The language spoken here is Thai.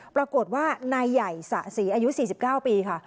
ปรากฏว่านายใหญ่สะศรีอายุ๔๙ปีค่ะ